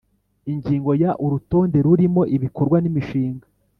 Ingingo ya Urutonde rurimo ibikorwa n imishinga